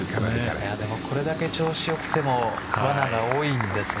でも、これだけ調子良くてもわなが多いんですね。